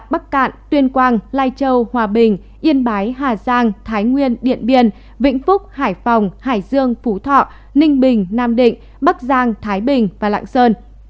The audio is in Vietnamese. bắc cạn tuyên quang lai châu hòa bình yên bái hà giang thái nguyên điện biên vĩnh phúc hải phòng hải dương phú thọ ninh bình nam định bắc giang thái bình và lạng sơn